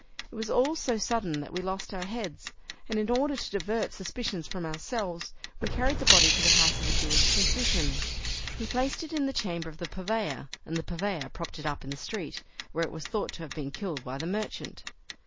It was all so sudden that we lost our heads, and in order to divert suspicion from ourselves, we carried the body to the house of a Jewish physician. He placed it in the chamber of the purveyor, and the purveyor propped it up in the street, where it was thought to have been killed by the merchant.